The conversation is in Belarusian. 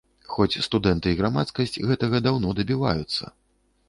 Хоць студэнты і грамадскасць гэтага даўно дабіваюцца.